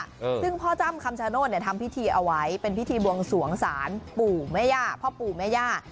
ซึ่งพ่อจ้ำคำชโนธเนี่ยทำพิธีเอาไว้เป็นพิธีบวงสวงศาลปู่แม่ย่าพ่อปู่แม่ย่า